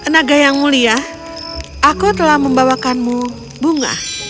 tenaga yang mulia aku telah membawakanmu bunga